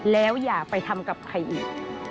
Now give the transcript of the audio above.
แล้วอย่าไปทำกับใครอีก